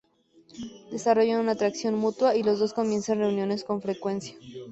Desarrollan una atracción mutua, y los dos comienzan reuniones con frecuencia.